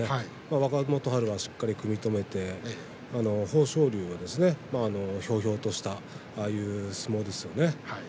若元春はしっかり組み止めて豊昇龍はですねひょうひょうとしたああいう相撲ですよね